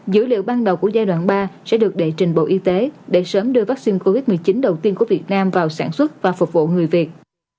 dữ liệu ban đầu của giai đoạn ba sẽ được đệ trình bộ y tế để sớm đưa vaccine covid một mươi chín đầu tiên của việt nam vào sản xuất và phục vụ người việt